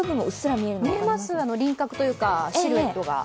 見えます、輪郭というかシルエットが。